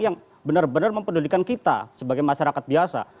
yang benar benar mempedulikan kita sebagai masyarakat biasa